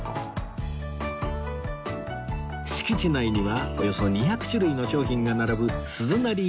敷地内にはおよそ２００種類の商品が並ぶ鈴なり